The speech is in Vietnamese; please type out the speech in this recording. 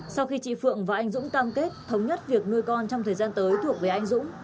sau khi chị phượng và anh dũng cam kết thống nhất việc nuôi con trong thời gian tới thuộc về anh dũng